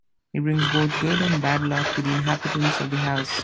It brings both good and bad luck to the inhabitants of the house.